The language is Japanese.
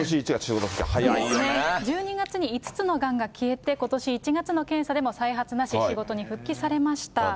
１２月に５つのがんが消えて、ことし１月の検査でも再発なし、仕事に復帰されました。